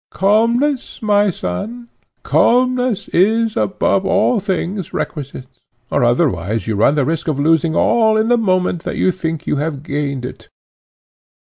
"Calmness, my son, calmness, is above all things requisite, or otherwise you run the risk of losing all in the moment that you think you have gained it.